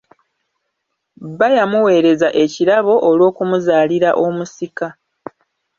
Bba yamuweereza ekirabo olw'okumuzaalira omusika.